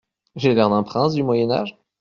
J'ai l'air d'un prince du moyen âge ?